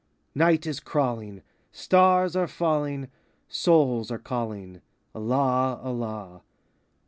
Night is crawling, Stars are falling, Souls are calling— Allah, Allah!